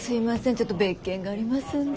ちょっと別件がありますんで。